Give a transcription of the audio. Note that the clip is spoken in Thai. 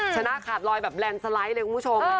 ชนะขาดลอยแบบแลนด์สไลด์เลยคุณผู้ชม